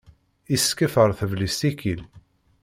Iskef ar teblist ikkil.